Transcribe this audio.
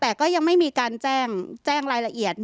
แต่ก็ยังไม่มีการแจ้งรายละเอียด